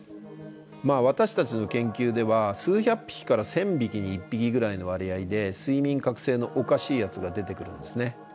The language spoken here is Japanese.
私たちの研究では数百匹から１，０００匹に１匹ぐらいの割合で睡眠覚醒のおかしいやつが出てくるんですね。